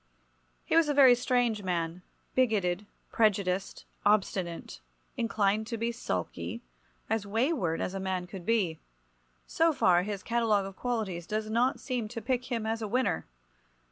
He was a very strange man, bigoted, prejudiced, obstinate, inclined to be sulky, as wayward as a man could be. So far his catalogue of qualities does not seem to pick him as a winner.